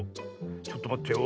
ちょっとまってよ。